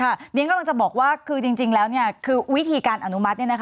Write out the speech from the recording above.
เรียนกำลังจะบอกว่าคือจริงแล้วคือวิธีการอนุมัติ